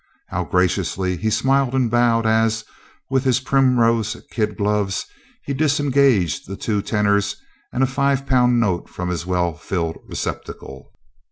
How graciously he smiled and bowed as, with his primrose kid gloves, he disengaged the two tenners and a five pound note from his well filled receptacle.